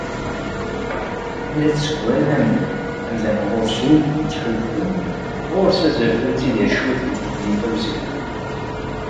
Ula d Sekkura d amdan, amdan ɣur-s ul, yettḥulfu, ɣur-s azref ad tidir cwiṭ deg ddunit-a wezzilen.